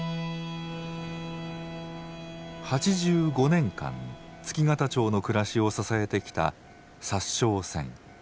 ８５年間月形町の暮らしを支えてきた札沼線。